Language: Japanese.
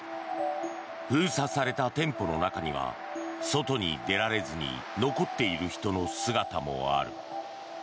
封鎖された店舗の中には外に出られずに残っている人の姿もある。